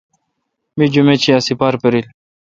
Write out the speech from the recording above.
می جمیت شی ا ہ سیپار پِریل۔